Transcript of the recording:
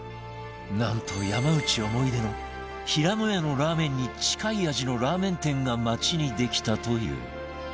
なんと山内思い出のひらのやのラーメンに近い味のラーメン店が町にできたという